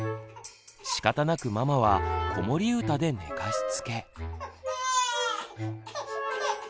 しかたなくママは子守歌で寝かしつけ。